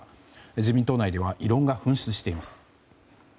自民党内では異論が噴出しています。